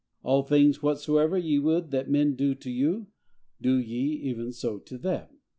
"All things whatsoever ye would that men should do to you, do ye even so to them."